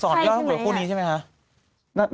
สอนย่อเพราะคู่รึยังครูนี้ใช่มั้ยฮะ